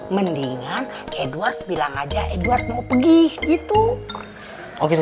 mendingan edward bilang aja edward mau pergi gitu